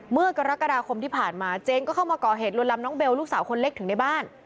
เมื่อกรกฎาคมที่ผ่านมาเจนก็เข้ามาก่อเหตุลวนลำน้องเบลลูกสาวคนเล็กถึงในบ้าน